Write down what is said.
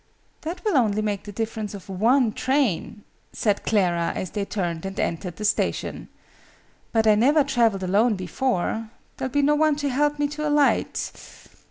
"That will only make the difference of one train," said Clara, as they turned and entered the station. "But I never travelled alone before. There'll be no one to help me to alight.